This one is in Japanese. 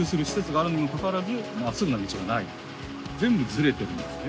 全部ずれてるんですね。